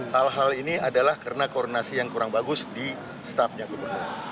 hal hal ini adalah karena koordinasi yang kurang bagus di staffnya gubernur